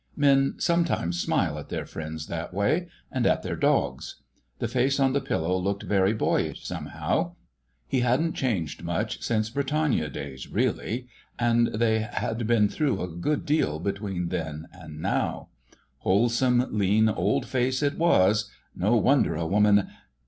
Men sometimes smile at their friends that way, and at their dogs. The face on the pillow looked very boyish, somehow, ... he hadn't changed much since Britannia days, really; and they had been through a good deal between then and now. Wholesome, lean old face it was; no wonder a woman...